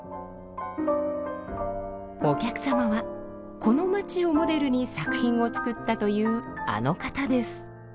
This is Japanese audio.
お客様はこの街をモデルに作品を作ったというあの方です。